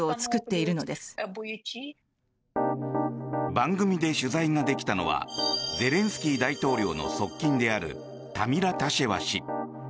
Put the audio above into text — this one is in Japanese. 番組で取材ができたのはゼレンスキー大統領の側近であるタミラ・タシェワ氏。